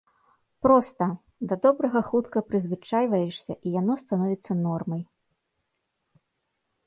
Проста, да добрага хутка прызвычайваешся і яно становіцца нормай.